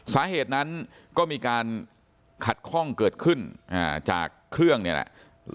สาเหตุนั้นก็มีการขัดข้องเกิดขึ้นจากเครื่องเนี่ยแหละ